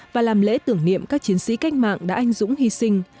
và làm lễ tưởng niệm các chiến sĩ cách mạng đã anh dũng hy sinh